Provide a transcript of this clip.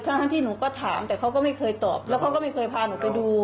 ทั้งที่หนูก็ถามแต่เขาก็ไม่เคยตอบแล้วเขาก็ไม่เคยพาหนูไปดู